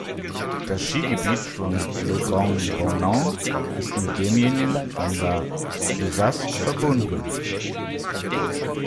Das Skigebiet von Le Grand-Bornand ist mit demjenigen von La Clusaz verbunden.